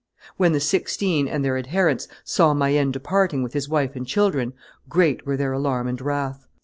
When the Sixteen and their adherents saw Mayenne departing with his wife and children, great were their alarm and wrath.